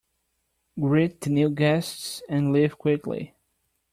Greet the new guests and leave quickly.